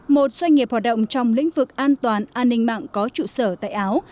một doanh nghiệp hoạt động trong lĩnh vực an toàn an ninh mạng có trụ sở tại áo